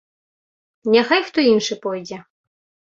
Няхай хто іншы пойдзе.